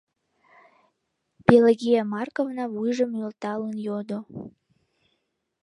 — Пелагея Марковна вуйжым нӧлталын йодо.